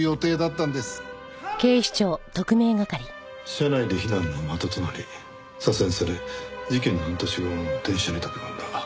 社内で非難の的となり左遷され事件の半年後電車に飛び込んだ。